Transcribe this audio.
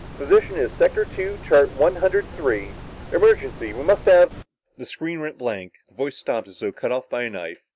Position is sector two, chart one hundred three. Emergency. We must have " The screen went blank, the voice stopped as though cut off by a knife.